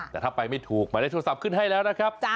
แต่ถ้าไปไม่ถูกหมายเลขโทรศัพท์ขึ้นให้แล้วนะครับ